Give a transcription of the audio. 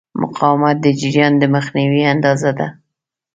مقاومت د جریان د مخنیوي اندازه ده.